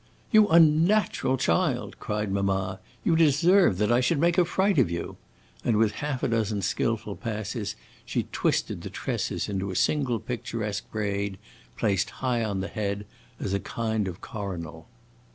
"You unnatural child!" cried mamma. "You deserve that I should make a fright of you!" And with half a dozen skillful passes she twisted the tresses into a single picturesque braid, placed high on the head, as a kind of coronal.